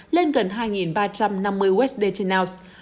lên gần hai ba trăm năm mươi usd trên ounce